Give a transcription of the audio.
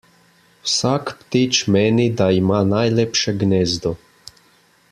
Vsak ptič meni, da ima najlepše gnezdo.